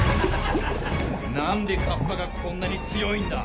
なんで河童がこんなに強いんだ！